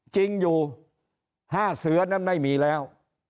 จริงอยู่๕เสือนั้นไม่มีแล้ว